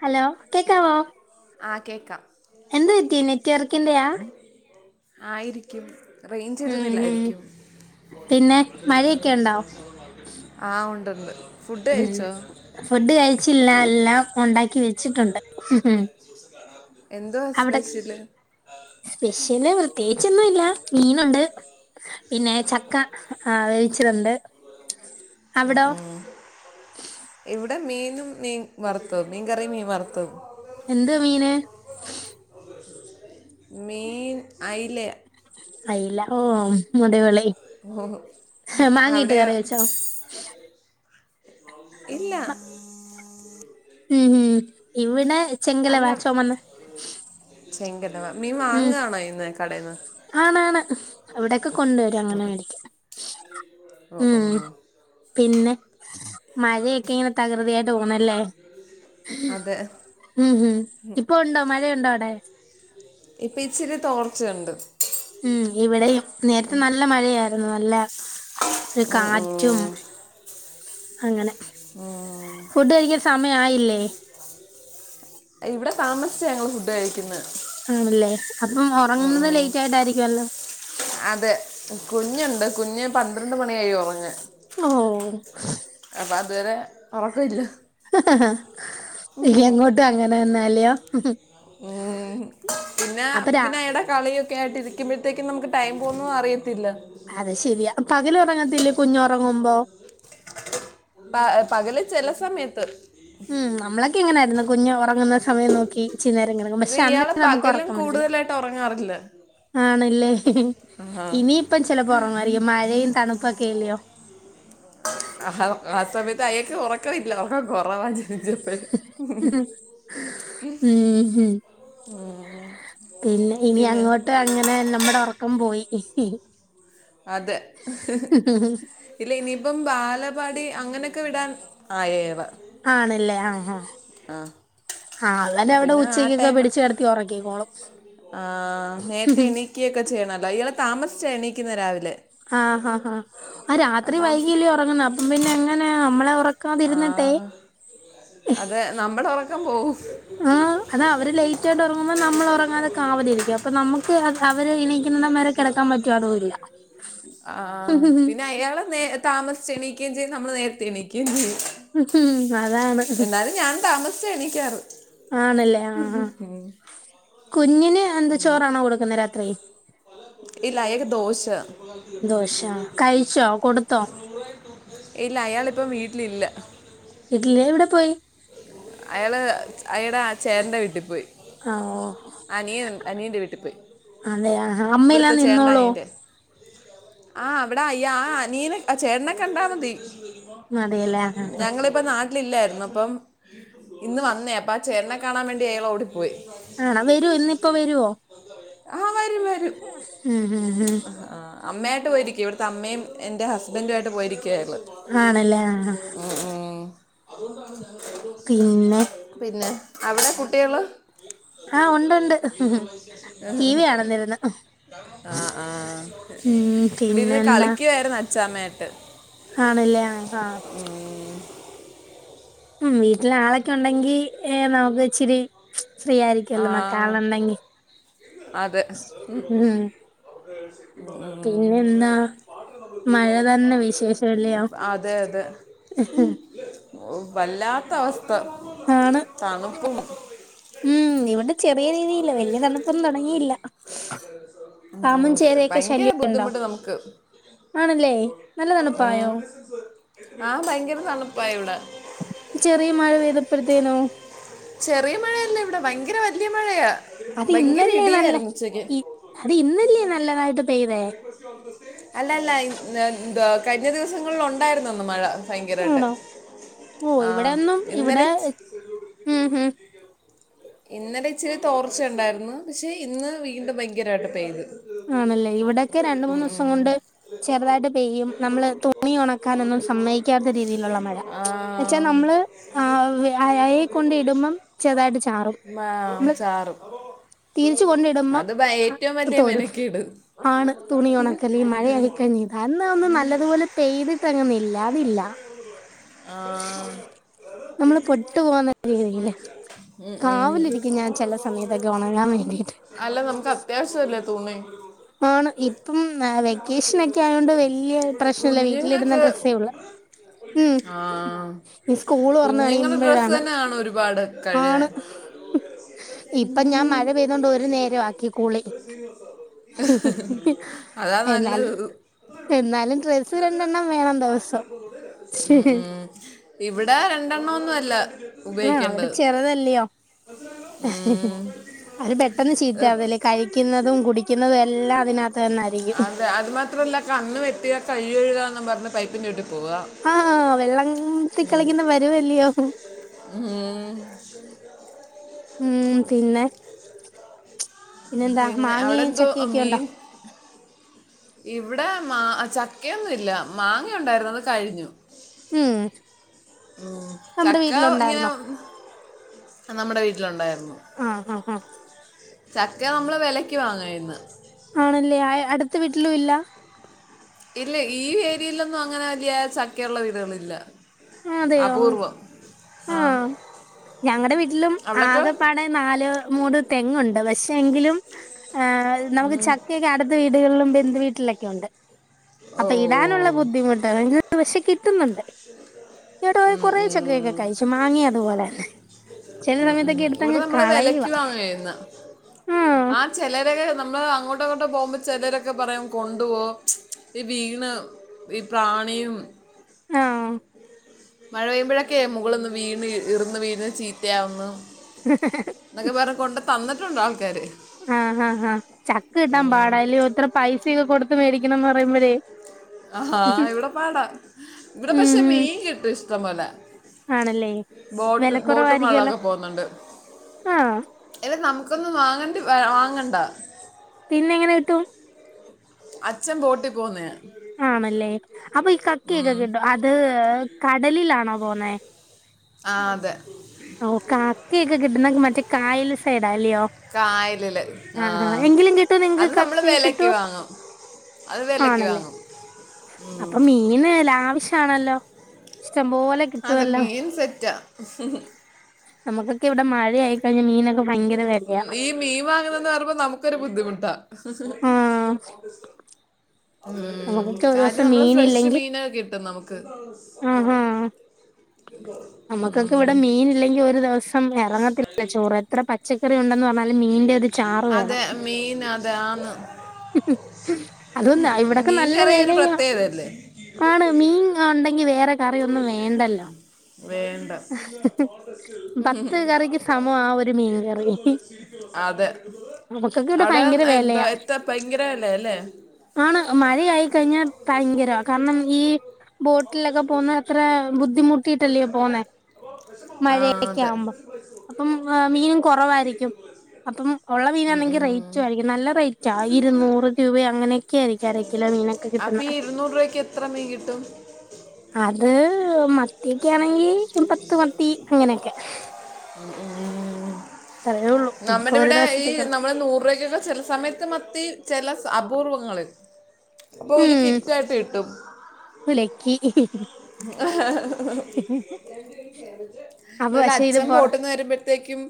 Hello കേക്കാവോ? ആ കേൾക്കാം എന്ത് പറ്റി നെറ്റ്വർക്കിൻ്റെയാ. ആയിരിക്കും റേഞ്ച് ഉം ഉം ഇരുന്നില്ലായിരിക്കും. പിന്നെ മഴയൊക്കെ ഉണ്ടോ ആഹ് ഉണ്ട്ണ്ട്. ഫുഡ് കഴിച്ചില്ല എല്ലാം ഒണ്ടാക്കി വെച്ചിട്ടുണ്ട്. ഉം എന്തുവാ അവിടെ സ്പെഷ്യൽ സ്പെഷ്യല് വൃ പ്രത്യേകിച്ചൊന്നും ഇല്ല മീനുണ്ട്. പിന്നെ ചക്ക ആ വേവിച്ചതുണ്ട്. ഉം അവിടോ ഉം ഇവിടെ മീനും, മീൻ വറുത്തതും മീൻ കറിം, മീൻ വറുത്തതും. എന്ത് മീന്. മീൻ അയിലെ. അയില്ല ഓ [unintelligible] മാങ്ങിട്ട് അവിടെയോ കറി വെച്ചോ? ഇല്ല. ഉഹും ഇവിടെ ചെങ്കലവ അല്ല ചൊമന്ന. ചെങ്കടവ മീൻ ഉം വാങ്ങുകയാണോ ഇന്ന് കടയിൽ നിന്ന് ആണാണ് അവിടൊക്കെ കൊണ്ട വരും. അങ്ങനെ വേടിക്ക. ഒ ഓ പിന്നെ മഴയൊക്കെ ഇങ്ങനെ തകൃതിയായിട്ട് പോന്നല്ലേ? അതെ ഉഹും ഇപ്പം ഉണ്ടോ മഴയുണ്ടോ? അവിടെ. ഇപ്പം ഇച്ചിരി തോർച്ചയുണ്ട്. ഉം ഇവിടെയും നേരത്തെ നല്ല മഴയായിരുന്നു. നല്ല ഒരു ഉം, കാറ്റും ഉം. അങ്ങനെ. ഫുഡ് കഴിക്കാൻ സമയായില്ലേ? ഇവിടെ താമസിച്ച ഞങ്ങള് ഫുഡ് കഴിക്കുന്നെ. ആണല്ലേ അപ്പം ഒറങ്ങുന്നത് ലേറ്റ് ആയിട്ടായിരിക്കും. അല്ലോ അതെ കുഞ്ഞുണ്ട് കുഞ്ഞ് പന്ത്രണ്ട് മണി കഴിയും ഒറങ്ങാൻ. ഓഓഓ വേറെ ഉറക്കല്ല. എങ്ങോട്ടും അങ്ങനെന്നാലോ. ഹൂം ഉം. പിന്നെ അപിന്നെ അയടെ കളിയൊക്കെഅയിട്ട് ഇരിക്കുമ്പോഴത്തേക്ക് നമുക്ക് ടൈം പോകുന്ന അറിയ അത് ശെരിയാ പകലുറങ്ങത്തില്ലേ കുഞ്ഞുറങ്ങുമ്പോ? പ- പകല് ചില സമയത്ത് ഉം നമ്മളൊക്കെങ്ങനായിരുന്നു കുഞ്ഞു ഉറ ങ്ങുന്ന സമയം നോക്കി ഇഞ്ചിരി നേരം കിടക്കും ഇത് പക്ഷെ ഇയാള് അന്നെരം നമുക്ക് പകലും ഉറക്കം വരത്തില്ല. കൂടുതലായിട്ട് ഉറങ്ങാറില്ല ആണ്. മം ആഹാ. ഇനി ഇപ്പം ചിലപ്പം ഉറങ്ങു വയിരിക്കും മഴയും തണുപ്പൊക്കെ ല്ലയോ. ആ ആ സമയത്ത് അയൾക്ക് ഉറക്ക വില്ല ഉറക്ക കൊറവാ. ജപ്പഴ ഉം ഹം പിന്നെ ഇനി അങ്ങോട്ട് അങ്ങനെ നമ്മുടെ ഉറക്കം പോയി ഹ് ഹ്. അതെ ഹ് ഹ് ഇല്ല ഇനിയിപ്പം ബാലപ്പാടി അങ്ങനെയൊക്കെ വിടാൻ ആയി അയാളെ. ആണല്ലേ ആഹ ആഹ. ആഹ. ആഹ് അവനവിടെ ഉച്ചക്കൊക്കെ പിടിച്ച്ച് കിടത്തി ഉറക്കിക്കോളും. ആ നേര്ത്തെ എണീക്യക്കെ ചെയ്യണല്ലോ ഇയാള് താമസിച്ചാണ് എണീക്കുന്ന രാവിലെ. ആഹ ആാ ഹാ ആ രാത്രി അപ്പം വൈകിയ ല്ലേ ഉറകുന്നെ അപ്പം പിന്നെ എങ്ങന നമ്മളെ ഉറ ക്കാതിര്ന്നിട്ടെ. അതെ നമ്മടെ ഉറക്കം പോവും. ആഹ് അതാ അവര് ലേറ്റ് ആയിട്ട് ഉറങ്ങുമ്പോ നമ്മൾ ഉറങ്ങാതെ കാവലിരിക്കും അപ്പൊ നമുക്ക് അവര് എണീക്കുന്നിടം വരെ കിടക്കാൻ പറ്റോ അതും ഇല്ല [unintelligible] ആഹ പിന്നെ അയാളെ നേര താമസ്ച്ച് എണീകേയും ചെയ്യും നമ്മൾ നേരത്തെ എണീക്കെയും ചെയ്യും. ഉ ഹം. എന്നാലും ഞാൻ താമസ്ച്ച എണിക്കാറ്. ആണല്ലേ അ ആ കുഞ്ഞിന് കുഞ്ഞിന്ന്താ ചോറാണോ കൊടുക്കുന്നെ രാത്രി. ഇല്ല അയാക്ക് ദോശ. ദോശ കഴിച്ചോ കൊടുത്തോ ഇല്ല അയാളിപ്പൊ വീട്ടിൽഇല്ല. ഇഡ്ലി എവിടെ പോയി അയാള് അയാടെ ചേട്ട്ന്റെ വീട്ടി പോയി. ആ ഓ നിയൻ അനിയൻന്റെ വീട്ടി പോയി അതെ ആ ഇവിട്ത്തെ അമ്മയെല്ലാം ചേട്ടന്റെ നിന്നോളോ അനിയന്റെ. ആഹ് അവിടെയ്യ അനിയനെ ചേട്ട്നെകണ്ടാ മതി. അതെല്ലേ ആ ഞങ്ങളിപ്പ ന ലില്ലായ്‌ർന്ന് അപ്പം ഇന്ന് വന്നേ അപ്പ ആ ചേട്ടനെ കാണാൻ വേണ്ടി അയാൾ ഓടി പോയി. വരുന്നെ ഇപ്പോ വരുവോ? വരും വരും മം മം മം ആ, അമ്മയായിട്ട് പോയിരിക്കും ഇവിട്ത അമ്മേം എന്റെ ഹസ്ബൻറു ആയിട്ട് പോയിരിക്ക അയാള് ആണല്ലേ ആ മം മം. പിന്നെ പിന്നെ അവിടെ കുട്ടികള്. ആഹ് ഉണ്ടണ്ട് ടിവി കാണുന്നേരിന്ന്. ആഹ ആഹ ഇടിരുന്ന് പിന്നെന്താ കളിക്കുവായിരുന്നു അച്ചാമ്മയയിട്ട്. ആണല്ലേ ആ ആ. ഉം വീട്ടിലളൊക്കെ ഉണ്ടെങ്കി നമുക്ക് ഇച്ചിരി ഫ്രീ ആ ആയിരിക്കല്ലോ നോക്കാൻ ആളുണ്ടെങ്കി ഉം. ഏ പിന്നെ എന്താ മഴ തന്നെ വിശേഷംല്യോം. അതെ അതെ ഹ് ഹ് വല്ലാത്ത അവസ്ഥ ആണ് തണുപ്പും ഉം ഇവിടെ ചെറിയ രീതിയില് വല്യ തണുപ്പൊന്നും തൊടങ്ങിയില്ല പാമ്പും ഉം, ചേരയൊക്കെ ശല്യക്കെ ഭയങ്കര ണ്ടോ ബുദ്ധിമുട്ട് ആണല്ലേ നല്ല തണുപ്പായോ ഉം ആ ഭയങ്കര തണുപ്പായി ഇവിടെ ചെറിയ മഴ പെയ്തപ്പെഴുത്തേനോ ചെറിയ മഴയല്ല ഇവിടെ ഭയങ്കര വല്യ മഴയാ അത് ഭയങ്കര ഇന്നല്ലേ നല്ല ഇടിയായിരുന്നു ഉച്ചയ്ക്ക് ഈ അത് ഇന്നല്ലേ നല്ലതായിട്ട് പെയ്തേ അല്ല അല്ല എന്തുവാ കഴിഞ്ഞ ദിവസം ദിവസങ്ങളിൽ ഒണ്ടായിരുന്നുന്ന് മഴ ഭയങ്കരായിട്ട് ആണോ ഓ ആ ഇവിടെന്നും ഇന്നലെ ഇവിടെ ഉം ഉം ഇന്നലെ ഇച്ചിരി തോർച്ച ഉണ്ടായിരുന്നു പക്ഷെ ഇന്ന് വീണ്ടും ഭയങ്കരായിട്ട് പെയ്ത് ആണല്ലേ ഇവിടെക്കെ രണ്ട് മൂന്ന് ദിവസം കൊണ്ട് ചെറുതായിട്ട് പെയ്യും നമ്മള് തുണി ഒണക്കാനൊന്നും സമ്മയ്ക്കാത്ത രീതിയിലുള്ള മഴ ആ വച്ചാ നമ്മള് ആ അയെ കൊണ്ട് ഇടുമ്പം ചെറ്തായിട്ട് ചാറും മാ- മ്മള് ചാറും തിരിച്ച് കൊണ്ടിടുമ്പം തോരും ഇട് ആണ് തുണി ഒണക്കല് ഈ മഴ ആയി കഴിഞ്ഞ അന്ന ഒന്ന് നല്ലതുപോലെ പെയ്തിട്ടങ്ങു നില്ല് അതില്ല [inaudible] നമ്മള് പൊട്ട് പോന്ന ഉ ഉ ഞാൻ ചില സമയത്തൊക്കെ ഉണങ്ങാൻ വേണ്ടിട്ട് അല്ല നമുക്ക് അത്യാവശ്യ ല്ലെ തുണി ആണ് ഇപ്പം വെക്കേഷനൊക്കായോണ്ട് വല്യ പ്രശ്നല്ല വീട്ടിലിടുന്ന ഡ്രസ്സേ ഉള്ളൂ ഉം ആ ഈ സ്കൂൾ തുറന്ന് കുഞ്ഞുങ്ങളുടെ ഡ്രസ്സ് കഴിയുമ്പോഴാണ് തന്നെ ആണോ ഒരു പാട് ആണ് കഴുകാൻ ഇപ്പൊ ഞാൻ മഴ പെയ്തൊണ്ട് ഒരു നേരാക്കി കുളി അതാ എന്നാലും നല്ലത് എന്നാലും ഡ്രസ്സ് രണ്ടെണ്ണം വേണം ദിവസം ഉ ഉം ഇവിടെ രണ്ടെണ്ണോന്നു അല്ല ആ അവിടെ ഉപയോഗിക്കേണ്ടത് ചെറുതല്യോ ഉം അവര് പെട്ടെന്ന് ഏഹ്, ചീത്താവൂലെ കഴിക്കുന്നതും കുടിക്കുന്നതും എല്ലാം അതിനകത്ത് തന്നെ അതെ അത് മാത്രല്ല കണ്ണ് വെട്ടിയ കൈകഴുകാന്ന് പറഞ്ഞ് പൈ ആ വെള്ളത്തി കളിക്കുന്ന പരുവല്യോ ഉം ഉം പിന്നെ പിന്നെന്താ പിന്നെ അവിടെ മാങ്ങയും എന്തോ ചക്കയൊക്കെ ഉണ്ടോ മീൻ ഇവിടെ മാ ചക്കയൊന്നും ഇല്ല മാങ്ങണ്ടായിരുന്നു അത് കഴിഞ്ഞു ഉം ഉം നമ്മുടെ ചക്ക ഇങ്ങനെ വീട്ടിലുണ്ടായിരുന്നോ നമ്മടെ വീട്ടിലൊണ്ടായിരുന്നു ആ ഹ ഹ ചക്ക നമ്മള് വിലക്ക് വാങ്ങാ ചെയ്യ്ന്ന് ആണല്ലേ അടുത്ത വീട്ടിലും ഇല്ല ഇല്ല ഈ ഏരിയയിലൊന്നും അങ്ങനെ വല്യേ ചക്കള്ള വീടുകളൊന്നുല്ല അപൂർവം ആ ഞങ്ങളടെ വീട്ടിലും അവിടൊക്കെ ആകെപ്പാടെ നാല് മൂട് തെങ്ങുണ്ട് പക്ഷെ എങ്കിലും നമുക്ക് ചക്കയൊക്കെ അടുത്ത വീടുകളിലും ബന്ധു വീട് ലെക്കെണ്ട് ഓ അപ്പൊ ഇടാനുള്ള ബുദ്ധിമുട്ട് [unintelligible] പക്ഷെ കിട്ടുന്നുണ്ട് ഈ വട്ടം ഉം, കുറെ ചക്കയൊക്കെ ഉം. കഴിച്ചു മാങ്ങയും അതുപോലെ തന്നെ ചെല ഉം, സമയത്ത് ഉം. ഇവിടെ നമ്മള് വെലയ്ക്ക് വാങ്ങ ചെയ്യ്ന്നേ ആഹ് ആ ചെലരൊക്കെ നമ്മള് അങ്ങോ ട്ടോ ഇങ്ങോട്ടോ പോകുമ്പോ ചെലരൊക്കെ പറയും കൊണ്ടു പോ ഈ വീണ് ഈ പ്രാണിയും ആ മഴ പെയ്യുമ്പോഴൊക്കെ മുകളന്ന് വീണ് ഇർന്ന് വീണ്ചീത്തയാകുന്നു എന്നൊക്കെ പറഞ്ഞു കൊണ്ട് തന്നിട്ടുണ്ടോ ആൾക്കാര് ആഹ് ഹാ ഹാ ചക്ക് കിട്ടാൻ പാടലോത്ര പൈസയൊക്കെ കൊടുത്ത മേടിക്കണംന്ന് പറയുമ്പോഴേ അഹ ഇവിടെ പാടാ ഇവിടെ ഉം പക്ഷെ ഉം മീൻ കിട്ടും ഇഷ്ടം പോലെ ആണല്ലേ ബോട്ട് ബോട്ടും വെള്ള വിലക്കുറവായിരിക്കുവല്ലോ കും ആഹ് എല്ല നമുക്കൊന്നും മാങ്ങണ്ടി വാങ്ങണ്ട പിന്ന ങ്ങനെ കിട്ടും അച്ഛൻ ബോട്ടി പോന്നേ ആണല്ലേ അപ്പൊ ഈ കക്കയൊക്കൊ 'കിട്ടോ അത് കടലിലാണോ പോനെ ആ അതെ ഓ കക്കയൊക്കെ കിട്ടുന്ന മറ്റേ കായൽ [unintelligible] ആ എങ്കിലും കിട്ടുവ നിങ്ങക്ക് അത് നമ്മൾ കക്കൊകെ വിലക്ക് കിട്ടുവോ വാങ്ങും അത് വിലക്ക് ആണല്ലേ വാങ്ങും അപ്പൊ മീന് ലാവശ്യാണല്ലോ അതെ മീൻ സെറ്റാ നമുക്കൊക്കെ ഇവിടെ മഴ ഈ മീൻ വാങ്ങുന്നന്ന് പറീയമ്പോ നമുക്കൊരു ബുദ്ധിമുട്ടാ [unintelligible] ആഹ് ഉം നമുക്കൊക്കെ ഒരു ദിവസം കാര്യംനമ്മള് ഫ്രഷ് മീനില്ലെങ്കിൽ മീന ക്കെകിട്ടും നമുക്ക് നമ്മക്കൊക്കെ ഇവിടെ മീൻ ഇല്ലെങ്കിൽ ഒരു ദിവസം എറങ്ങത്തില്ല ല്ല ചോറ് എത്ര പച്ചക്കറി ഉണ്ടന്ന് പറ അതെ മീൻ അതാണ് അതും ഉം ഇവിടൊക്കെ മീൻ നല്ല കറി ഒരു വിലയാ പ്രത്യേകതയല്ലേ ആണ് മീൻ ഉണ്ടെങ്കി വേറെ കറി ഒന്നും വേണ്ടല്ലോ വേണ്ട പത്ത് കറിക്ക് സമം ആ ഒരു മീൻകറി അതെ നമുക്കൊക്കെ ഇവിടെ അത് ഭയങ്കര എന്താ വിലയാ എത്ത ഭയങ്കരല്ലേ ആണ് മഴ ആയി കഴിഞ്ഞാൽ ഭയങ്കരാ കാരണം ഈ ബോട്ടിലൊക്കെ പോന്നെയത്രെ ബുദ്ധിമുട്ടിട്ടല്ലേ പോന്നെ ആ മഴെക്കെ അതെ ആവുമ്പോ അപ്പം മീനും കൊറവായിരിക്കും അപ്പം ഉള്ള ഉം മീനാണെങ്കിൽ ഉം. റേറ്റ് റ്റരിക്കും നല്ല റേറ്റ ഇരുന്നൂറ് രൂപ അങ്ങനൊക്കെ ആയിരിക്കും അര കിലോ മീനൊക്കെ കിട്ടുന്നത് ക്ക് എത്ര മീൻ കിട്ടും? ഹ് മത്തിയൊക്കാണെങ്കി പത്ത് മത്തി അങ്ങനൊക്കെ ഉം ഉള്ളൂ നമുക്ക് ഒരു നമ്മൻ്റെവടെ ഈ ദിവസത്തേക്ക് നമ്മള് നൂറ രൂപക്കൊക്കെ ചെല സമയത്ത് മത്തി ചെല അപൂർവങ്ങളിൽ അപ്പൊ ഒരു ഉം കിറ്റായിട്ട് കിട്ടും വിലക്കി ഹഹഹഹ അപ്പൊ അതല്ല പക്ഷെ ഇത് അച്ഛൻ പൊ ബോട്ടിന്ന്വരുമ്പോത്തേക്കും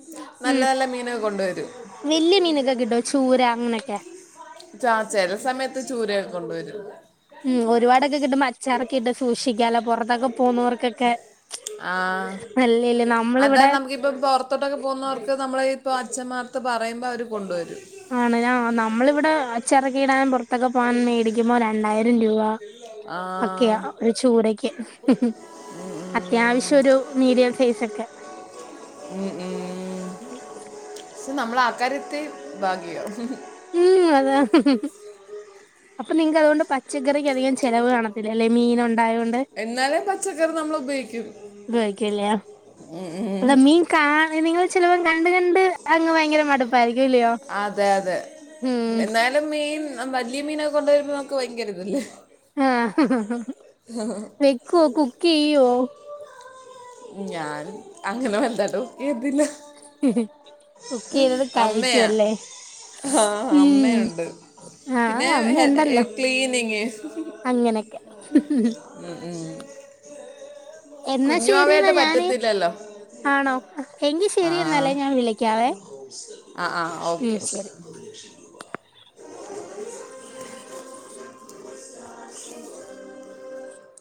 നല്ല നല്ല മീനൊക്കെ കൊണ്ട് വരും. കൊണ്ടുവരും [inaudible] വെല്യ മീനൊക്കെ കിട്ടോ ചൂര അങ്ങനൊക്കെ ച ചെല സമയത്ത് ചൂരയൊക്കെ കൊണ്ടുവരും ഉം ഒരുപാടൊക്കെ കിട്ടുമ്പോ അച്ചാറൊക്കെ ഇട്ട് സൂക്ഷിക്കാലൊ പൊറത്തൊക്കെ പോകുന്നോർക്കൊക്കെ ആഹ് അതാ നമ്മക്കിപ്പം പൊറത്തോട്ടൊക്കെ പോകുന്നവർക്ക് നമ്മള് ഈ - ഇപ്പോ അച്ഛന്മാർത്ത് പറയുമ്പോ അവര് കൊണ്ട് വരും ആ ഞാ നമ്മളിവിടെ അച്ചറക്കയിടാൻ പുറത്തൊക്കെ പോ അ ഒക്കെയാ ആഹ് ഒരു ചൂടെക്ക് ഹും ഹും അത്യാവശ്യ ഒരു മീഡിയൽ സൈസൊക്കെ ഉം ഉം ആക്കാര്യത്തി ഭാഗ്യം ഉം അതാ അപ്പ നി അതുകൊണ്ട് പച്ചക്കറിക്കധികം ചിലവ് കാണത്തില്ലല്ലെ മീനൊ ണ്ടായോണ്ട് എന്നാലും പച്ചക്കറി നമ്മൾ ഉപയോഗിക്കും [unintelligible] അല്ല മീൻ കാ നിങ്ങൾ ചിലപ്പോ കണ്ട് കണ്ട് അങ്ങ് ഭയങ്കര മടുപ്പായിരിക്കും ഇല്ലയോ അതെ അതെ ഉം എന്നാലും മീൻ വലിയ മീനൊെ കൊണ്ട വരുമ്പോൾ നമുക്ക് ഭയങ്കര ഇതല്ലേ ആഹ വക്ക കുക്ക് ചെയ്യോ ഞാൻ അങ്ങനെ വല്ലതും കുക്ക് ചെയ്തത് കഴിക്കുംല്ലേ ആഹ അമ്മയുണ്ട് പിന്നെ ആഹ് അമ്മ ഉണ്ടല്ലോ ക്ലീനിങ് അങ്ങനൊക്കെ ഉ ഉം എന്നാ കുഞ്ഞുവാവേട്ട ശരിയെന്നാ ഞാന് പറ്റത്തില്ലല്ലോ ആണോ എങ്കി ആ ശരി എന്നല്ലേ ഞാൻ വിളിക്കാവേ ആ ആ ഓക്കെ ഉം ശരി